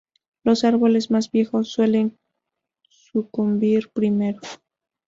Los árboles más viejos suelen sucumbir primero.